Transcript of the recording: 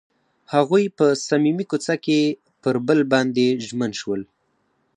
هغوی په صمیمي کوڅه کې پر بل باندې ژمن شول.